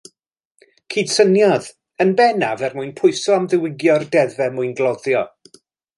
Cydsyniodd, yn bennaf er mwyn pwyso am ddiwygio'r deddfau mwyngloddio.